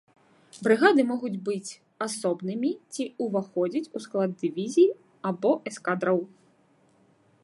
Брыгады могуць быць асобнымі ці ўваходзіць у склад дывізій або эскадраў.